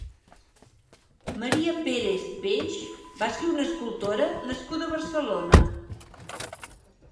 Maria Pérez Peix va ser una escultora nascuda a Barcelona.